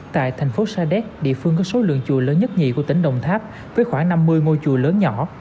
tại thành phố sa đéc địa phương có số lượng chùa lớn nhất nhì của tỉnh đồng tháp với khoảng năm mươi ngôi chùa lớn nhỏ